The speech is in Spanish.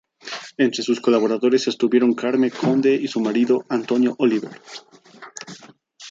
Entre sus colaboradores estuvieron Carmen Conde y su marido, Antonio Oliver.